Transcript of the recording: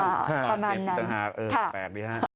ประมาณนั้นค่ะแปลกดีครับ